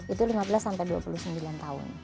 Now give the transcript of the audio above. itu lima belas sampai dua puluh sembilan tahun